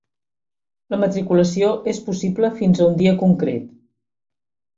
La matriculació és possible fins a un dia concret.